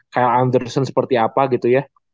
kyle anderson seperti apa gitu ya